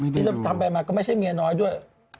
ที่ทำไปมาก็ไม่ใช่เมียน้อยด้วย